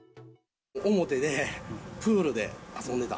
表でプールで遊んでた。